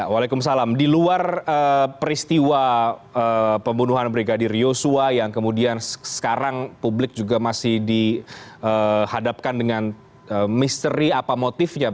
waalaikumsalam di luar peristiwa pembunuhan brigadir yosua yang kemudian sekarang publik juga masih dihadapkan dengan misteri apa motifnya